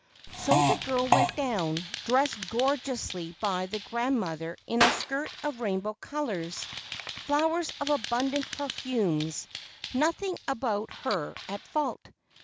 So the girl went down, dressed gorgeously by the grandmother in a skirt of rainbow colors, flowers of abundant perfumes—nothing about her at fault.